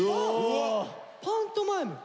あパントマイム？